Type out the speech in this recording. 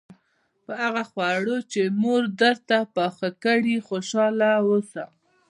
په هغه خواړو چې مور درته پاخه کړي خوشاله اوسه.